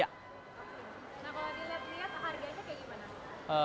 nah kalau dilihat lihat harganya kayak gimana